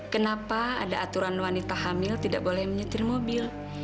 kenapa ada aturan wanita hamil tidak boleh menyetir mobil